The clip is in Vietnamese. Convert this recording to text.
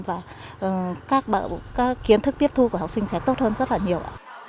và các kiến thức tiết thu của học sinh sẽ tốt hơn rất là nhiều